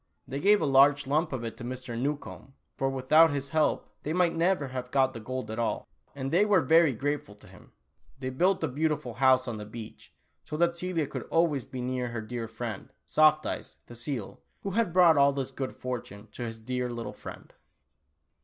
They gave a large lump of it to Mr. Newcombe, for without his help they might never have got the gold at all, and they were very grateful to him. They built a beautiful house on the beach so that Celia could always be near her dear friend, Soft Eyes, the seal, who had brought all this good fortune to his dear little friend.